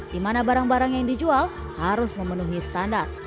di mana barang barang yang dijual harus memenuhi standar